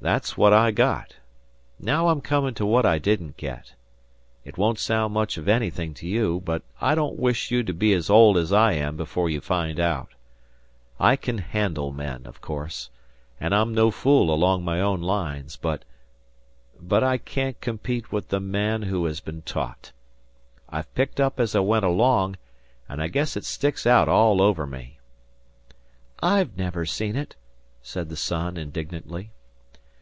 "That's what I got. Now I'm coming to what I didn't get. It won't sound much of anything to you, but I don't wish you to be as old as I am before you find out. I can handle men, of course, and I'm no fool along my own lines, but but I can't compete with the man who has been taught! I've picked up as I went along, and I guess it sticks out all over me." "I've never seen it," said the son, indignantly.